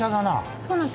そうなんです。